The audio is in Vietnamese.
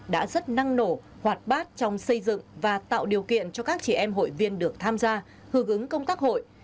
đã rất năng nổ hoạt bát trong xây dựng và tạo điều kiện cho các trẻ em hội viên được tham gia hư gứng công tác hội